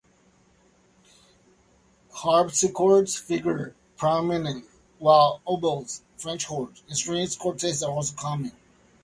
Harpsichords figure prominently, while oboes, French horns, and string quartets are also common.